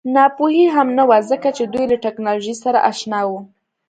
ناپوهي هم نه وه ځکه چې دوی له ټکنالوژۍ سره اشنا وو